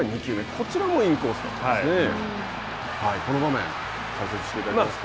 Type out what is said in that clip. こちらもインコースだったんですね。